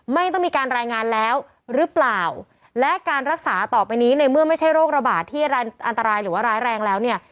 ไม่ต้องมีการรายงานแล้วหรือเปล่าและการรักษาต่อไปนี้ในเมื่อไม่ใช่โรคระบาดที่อันตรายหรือว่าร้ายแรงแล้วเนี่ย